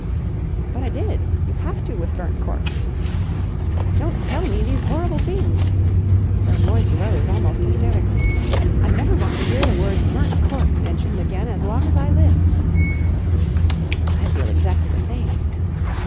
"But I did. You have to with burnt cork." "Don't tell me these horrible things." Her voice rose almost hysterically. "I never want to hear the words burnt cork mentioned again as long as I live." "I feel exactly the same."